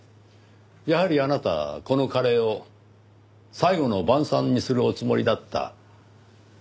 やはりあなたこのカレーを最後の晩餐にするおつもりだった。